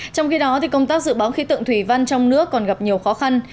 trong khi đó công tác dự báo khí tượng thủy văn trong nước còn gặp nhiều khó khăn